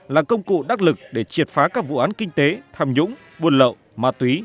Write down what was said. là công cụ đắc lực để triệt phá các vụ án kinh tế tham nhũng buôn lậu ma túy